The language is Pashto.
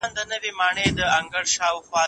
زه درسونه نه لوستل کوم،